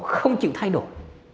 không chịu thay đổi